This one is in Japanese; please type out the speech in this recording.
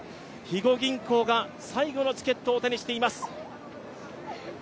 肥後銀行が最後のチケットを手にしています。